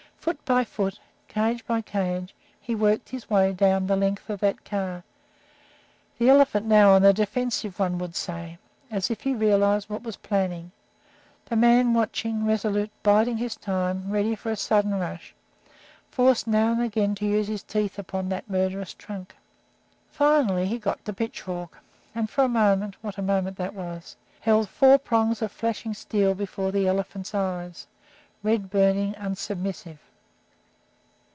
Foot by foot, cage by cage, he worked his way down the length of that car, the elephant now on the defensive, one would say, as if he realized what was planning, the man watching, resolute, biding his time, ready for a sudden rush, forced now and again to use his teeth upon that murderous trunk. Finally, he got the pitchfork, and for a moment what a moment that was! held four prongs of flashing steel before the elephant's eyes, red burning, unsubmissive.